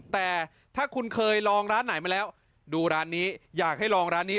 แต่ถ้าคุณเคยลองร้านไหนมาแล้วดูร้านนี้อยากให้ลองร้านนี้